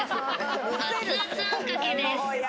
熱々あんかけです。